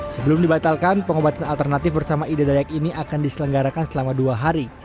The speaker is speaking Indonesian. sebelum dibatalkan pengobatan alternatif bersama ida dayak ini akan diselenggarakan selama dua hari